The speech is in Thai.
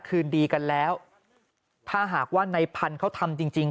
คืนดีกันแล้วถ้าหากว่าในพันธุ์เขาทำจริงจริง